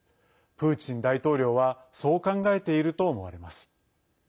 プーチン大統領はそう考えていると思われます。